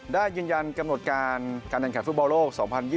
ได้ยืนยันกำหนดการการแข่งขันฟุตบอลโลก๒๐๒๐